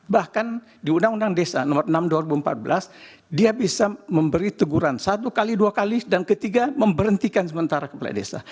bahkan di undang undang desa nomor enam dua ribu empat belas dia bisa memberi teguran satu x dua kali dan ketiga memberhentikan sementara kepala desa